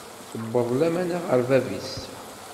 Tewweḍ lamana ɣer bab-is.